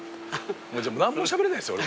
もう何もしゃべれないっすよ